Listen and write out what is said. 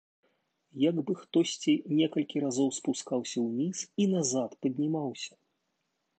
Як бы хтосьці некалькі разоў спускаўся ўніз і назад паднімаўся.